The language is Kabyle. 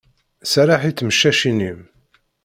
Serreḥ i tmeccacin-im.